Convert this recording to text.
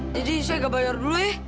jadi saya gak bayar dulu ya